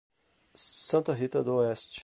Santa Rita d'Oeste